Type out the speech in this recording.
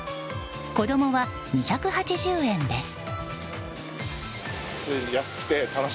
子供は２８０円です。